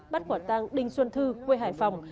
bắt quả tăng đinh xuân thư quê hải phòng